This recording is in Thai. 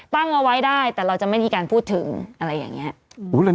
ตั้งเอาไว้ได้แต่เราจะไม่มีการพูดถึงอะไรอย่างนี้